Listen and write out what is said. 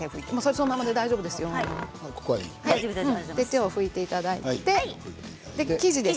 手を拭いていただいて生地です。